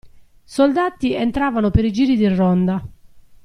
Soldati entravano per i giri di ronda.